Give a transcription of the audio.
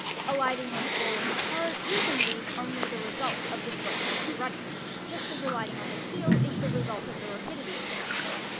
Alighting on the ball of the toe is, indeed, only the resu ' the slowness of the running, just as alighting on the heel is the result the rapidity of the running.